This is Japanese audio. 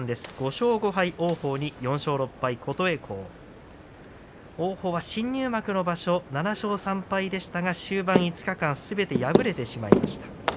５勝５敗、王鵬４勝６敗、琴恵光の対戦王鵬が新入幕の場所７勝３敗でしたが終盤５日間すべて敗れてしまいました。